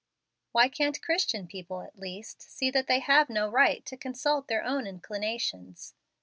Why can't Christian people at least, see that they have no right to consult their own inclinations